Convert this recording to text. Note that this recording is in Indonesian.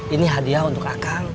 ini hadiah untuk kak kang